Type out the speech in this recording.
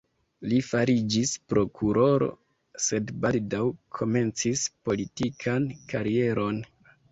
Li fariĝis prokuroro, sed baldaŭ komencis politikan karieron.